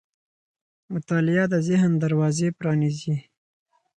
مطالعه د ذهن دروازې پرانیزي.